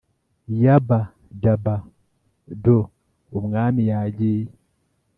yabba dabba doo, umwami yagiye